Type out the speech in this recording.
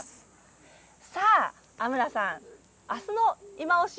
さあ、アムラさん明日の「いまオシ！